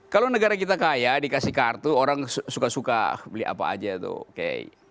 kalau negara kita kaya dikasih kartu orang suka suka beli apa aja tuh oke